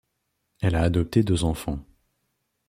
Elle a adopté deux enfants.